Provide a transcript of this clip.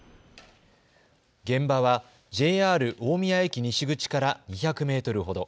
現場はＪＲ大宮駅西口から２００メートルほど。